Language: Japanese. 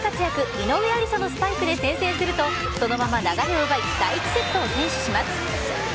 井上愛里沙のスパイクで先制するとそのまま流れを奪い第１セットを先取します。